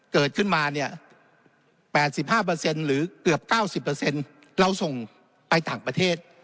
เกิดขึ้นมาเนี่ย๘๕หรือเกือบ๙๐เราส่งไปต่างประเทศ